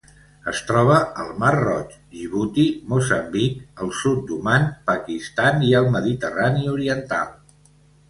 Es troba al Mar Roig, Djibouti, Moçambic, el sud d'Oman, Pakistan i el Mediterrani oriental.